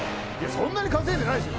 そんなに稼いでないですよ。